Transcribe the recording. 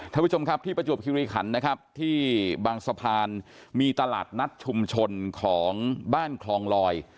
ท่านผู้ชมครับที่ประจวบคิริขันนะครับที่บางสะพานมีตลาดนัดชุมชนของบ้านคลองลอย